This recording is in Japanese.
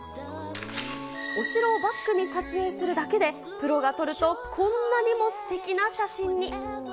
お城をバックに撮影するだけで、プロが撮ると、こんなにもすてきな写真に。